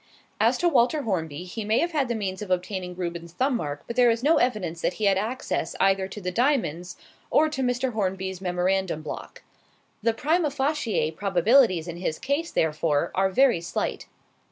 "As to Walter Hornby, he may have had the means of obtaining Reuben's thumb mark; but there is no evidence that he had access either to the diamonds or to Mr. Hornby's memorandum block. The prima facie probabilities in his case, therefore, are very slight."